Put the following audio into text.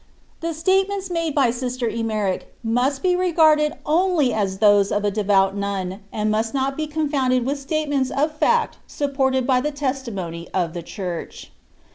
The statements made by Sister Emmerich must be regarded only as those of a devout Nun, and must not be confounded with statements of facts supported by the testimony of the Church.